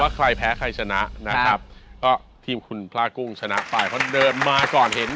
ใครแพ้ใครชนะนะครับก็ทีมคุณพลากุ้งชนะไปเพราะเดินมาก่อนเห็น